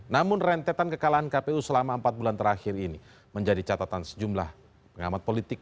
namun rentetan kekalahan kpu selama empat bulan terakhir ini menjadi catatan sejumlah pengamat politik